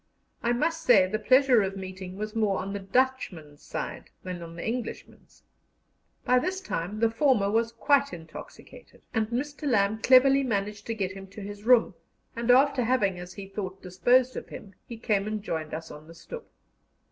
I must say the pleasure of meeting was more on the Dutchman's side than on the Englishman's. By this time the former was quite intoxicated, and Mr. Lamb cleverly managed to get him to his room, and after having, as he thought, disposed of him, he came and joined us on the stoep.